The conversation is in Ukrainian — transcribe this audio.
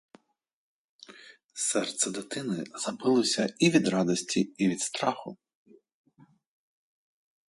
Серце дитини забилося і від радості і від страху.